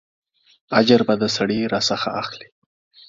اجر به د سړي راڅخه اخلې.